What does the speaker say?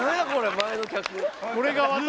前の客」